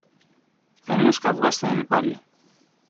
Κανένας καβγάς θα είναι πάλι